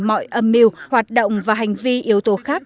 mọi âm mưu hoạt động và hành vi yếu tố khác